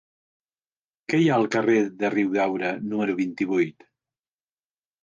Què hi ha al carrer de Riudaura número vint-i-vuit?